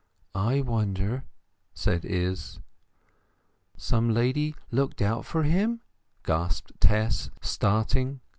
"I wonder," said Izz. "Some lady looked out for him?" gasped Tess, starting.